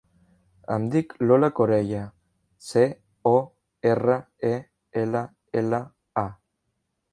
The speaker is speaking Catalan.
Em dic Lola Corella: ce, o, erra, e, ela, ela, a.